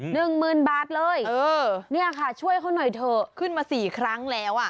หนึ่งหมื่นบาทเลยช่วยเขาหน่อยเถอะไม่เคยจับได้ขึ้นมาสี่ครั้งแล้ว